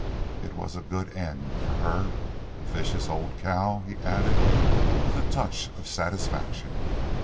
It was a good end for her, the vicious old cow!" he added, with a touch of satisfaction.